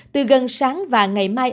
từ gần sáng và ngày mai